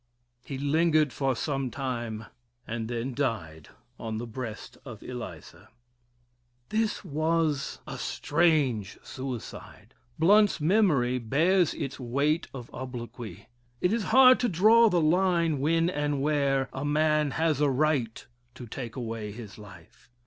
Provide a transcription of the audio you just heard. He lingered for sometime, and then died on the breast of Eliza. This was a strange suicide. Blount's memory bears its weight of obloquy. It is hard to draw the line when and where a man has a right to take away his life.